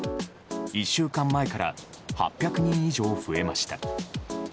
１週間前から８００人以上増えました。